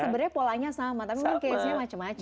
sebenarnya polanya sama tapi memang case nya macam macam